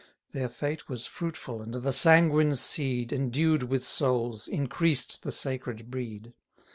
Their fate was fruitful, and the sanguine seed, Endued with souls, increased the sacred breed.